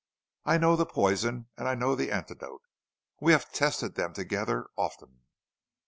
I know the poison and I know the antidote; we have tested them together often."